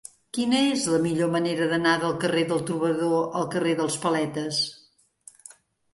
Quina és la millor manera d'anar del carrer del Trobador al carrer dels Paletes?